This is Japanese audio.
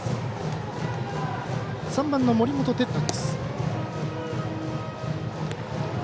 ３番の森本哲太。